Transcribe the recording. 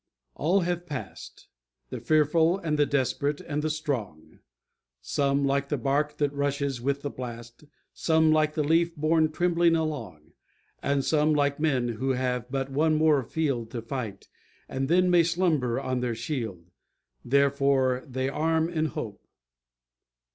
"[#] "All have passed: The fearful, and the desperate, and the strong. Some like the barque that rushes with the blast; Some like the leaf borne tremblingly along; And some like men who have but one more field To fight, and then may slumber on their shield Therefore they arm in hope."